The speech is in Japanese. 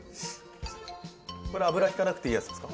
これ油引かなくていいやつですか？